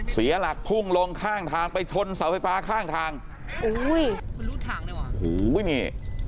เสียหลักพุ่งลงข้างทางไปชนเสาไฟฟ้าข้างทางอุ้ยคุณรู้ทางเลยว่ะโอ้โหนี่